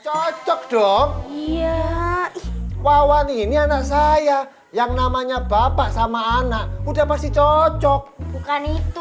cocok dong iya wawan ini anak saya yang namanya bapak sama anak udah pasti cocok bukan itu